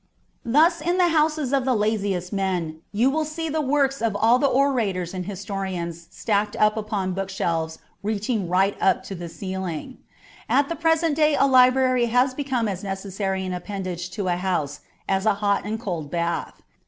Thus in the houses of the laziest of men you will see the works of all the orators and historians stacked upon book shelves reaching right up to the ceiling. At the present day a library has become as necessary an appendage to a house as a hot and cold bath.